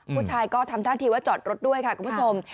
ผู้ชายก็ทำท่าทีว่าจอดรถด้วยค่ะคุณผู้ชม